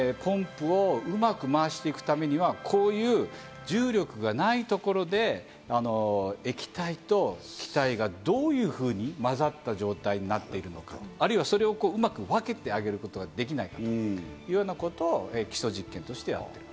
そういうところでポンプをうまく回していくためにはこういう重力がないところで液体と気体がどういうふうにまざった状態になっているのか、あるいはそれをうまく分けてあげることができないということを基礎実験としてやっている。